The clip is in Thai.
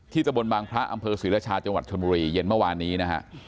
ตะบนบางพระอำเภอศรีรชาจังหวัดชนบุรีเย็นเมื่อวานนี้นะฮะ